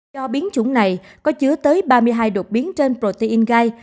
do biến chủng này có chứa tới ba mươi hai đột biến trên protein gai